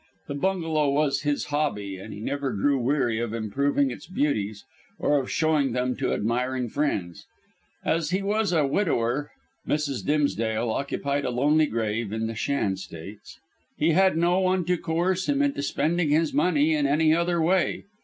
The bungalow was his hobby, and he never grew weary of improving its beauties or of showing them to admiring friends. As he was a widower Mrs. Dimsdale occupied a lonely grave in the Shan States he had no one to coerce him into spending his money in any other way.